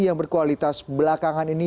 yang berkualitas belakangan ini